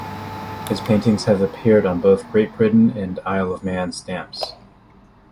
His paintings have appeared on both Great Britain and Isle of Man stamps.